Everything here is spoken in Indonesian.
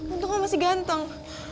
untung kamu masih ganteng